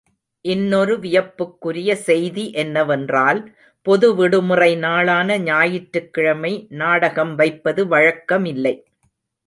இன்னொரு வியப்புக்குரிய செய்தி என்னவென்றால் பொது விடுமுறை நாளான ஞாயிற்றுக் கிழமை நாடகம் வைப்பது வழக்கமில்லை.